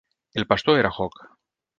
El pastor era Hogg.